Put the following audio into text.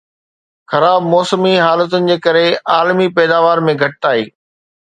خراب موسمي حالتن جي ڪري عالمي پيداوار ۾ گهٽتائي